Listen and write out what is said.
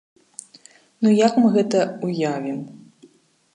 Ну як мы гэта ўявім?